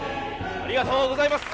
ありがとうございます！